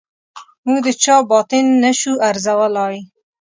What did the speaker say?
موږ د چا باطن نه شو ارزولای.